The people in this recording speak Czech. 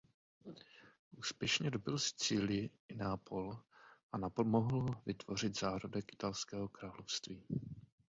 Úspěšně dobyl Sicílii i Neapol a napomohl vytvořit zárodek Italského království.